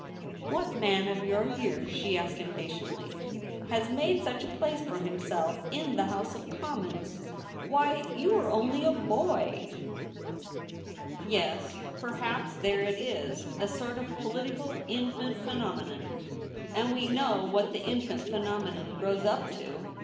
' What man of your years,' she asked Im patiently, ' has made such a place for himself in the House of Commons } Why, you are only a boy !' 232 THE REBEL ROSE. ' Yes, perhaps there it is — a sort of political infant phenomenon ; and we know what the infant phenomenon grows up to.